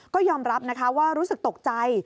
ก็ยอมรับนะคะว่ารู้สึกตกใจ